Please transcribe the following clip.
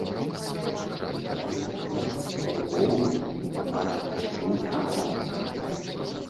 Затым палюбоўнікі не пабачацца сем гадоў.